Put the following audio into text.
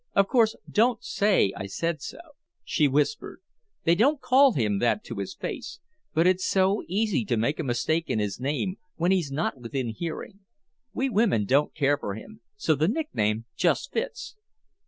"Of course, don't say I said so," she whispered. "They don't call him that to his face, but it's so easy to make a mistake in his name when he's not within hearing. We women don't care for him, so the nickname just fits."